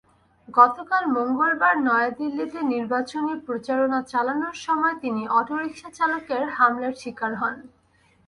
গতকাল মঙ্গলবার নয়াদিল্লিতে নির্বাচনী প্রচারণা চালানোর সময় তিনি অটোরিকশাচালকের হামলার শিকার হন।